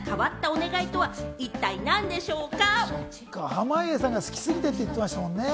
濱家さんが好きすぎてと言っていましたもんね。